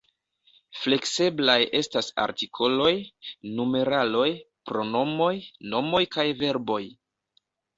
Flekseblaj estas artikoloj, numeraloj, pronomoj, nomoj kaj verboj.